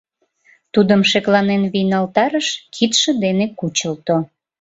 Тудым шекланен вийналтарыш, кидше дене кучылто.